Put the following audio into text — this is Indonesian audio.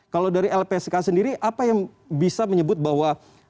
kalau dari lpsk sendiri apa yang bisa menyebut bahwa